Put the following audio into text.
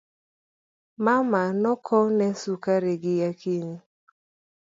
Mama nokowne sukari gi Akinyi.